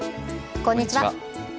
こんにちは。